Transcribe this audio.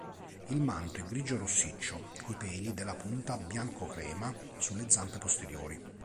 Il manto è grigio-rossiccio, coi peli dalla punta bianco-crema sulle zampe posteriori.